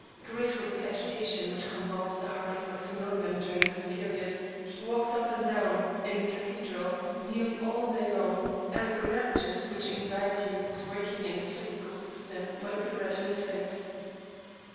Great was the agitation which convulsed the heart of Maximilian during this period; he walked up and down in the cathedral nearly all day long, and the ravages which anxiety was working in his physical system might be read in his face.